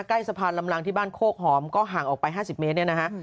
ใกล้สะพานลำลังที่บ้านโคกหอมก็ห่างออกไป๕๐เมตรเนี่ยนะฮะ